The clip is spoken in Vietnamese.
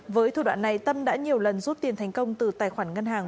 với thủ đoạn này tâm đã nhiều lần rút tiền thành công từ tài khoản ngân hàng